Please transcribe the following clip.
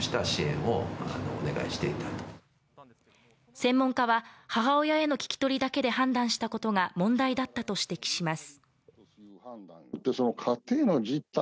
専門家は、母親への聞き取りだけで判断したことが問題だったと指摘します。